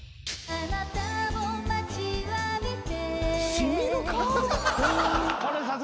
「あなたを待ちわびて」